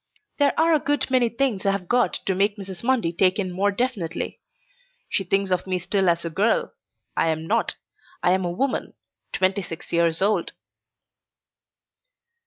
There are a good many things I have got to make Mrs. Mundy take in more definitely. She thinks of me still as a girl. I am not. I am a woman twenty six years old.